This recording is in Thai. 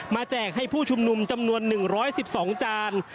แจกให้ผู้ชุมนุมจำนวน๑๑๒จาน